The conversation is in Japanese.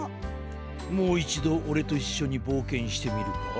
もういちどオレといっしょにぼうけんしてみるか？